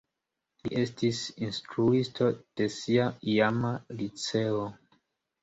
Li estis instruisto de sia iama liceo.